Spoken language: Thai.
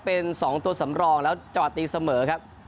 เป็น๒ตัวสำรองแล้วจอดตีเสมอครับ